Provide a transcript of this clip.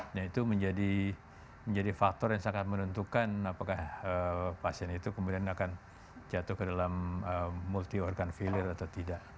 nah itu menjadi faktor yang sangat menentukan apakah pasien itu kemudian akan jatuh ke dalam multi organ failure atau tidak